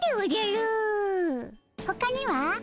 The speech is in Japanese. ほかには？